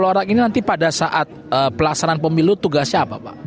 satu ratus lima puluh orang ini nanti pada saat pelaksanaan pemilu tugasnya apa pak